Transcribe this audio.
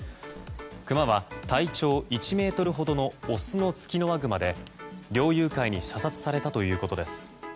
クマは体長１ｍほどのオスのツキノワグマで猟友会に射殺されたということです。